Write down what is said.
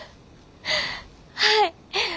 はい！